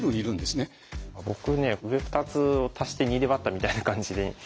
僕ね上２つを足して２で割ったみたいな感じで。